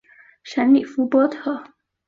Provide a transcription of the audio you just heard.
什里夫波特。